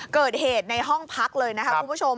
เกิดเหตุในห้องพักเลยนะคะคุณผู้ชม